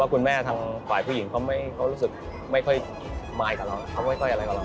คุณแม่ทางฝ่ายผู้หญิงเขารู้สึกไม่ค่อยมายกับเราเขาไม่ค่อยอะไรกับเรา